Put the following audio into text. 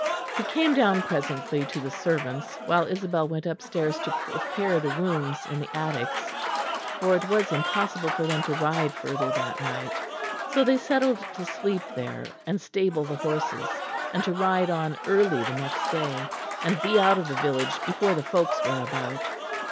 He came down presently to the servants, while Isabel went upstairs to prepare the rooms in the attics; for it was impossible for them to ride further that night; so they settled to sleep there, and stable the horses; and to ride on early the next day, and be out of the village before the folks were about.